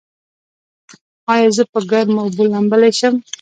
ایا زه په ګرمو اوبو لامبلی شم؟